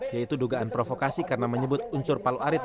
yaitu dugaan provokasi karena menyebut unsur paluarit